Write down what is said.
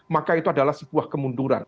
maka itu adalah sebuah kemunduran